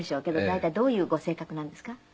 大体どういうご性格なんですか？